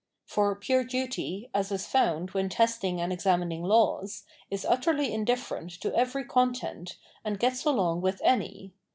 For pure duty, as was found when testing and examining laws,* is utterly indifierent to every content, and gets along with any.